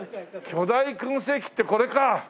巨大燻製器ってこれか！